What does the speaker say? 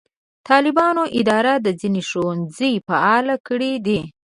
د طالبانو اداره ځینې ښوونځي فعاله کړي دي.